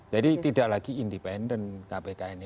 jadi tidak lagi independen kpk ini